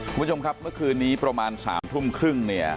คุณผู้ชมครับเมื่อคืนนี้ประมาณ๓ทุ่มครึ่งเนี่ย